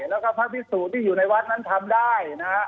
แล้วก็ภาคพิสูจน์ที่อยู่ในวัดนั้นทำได้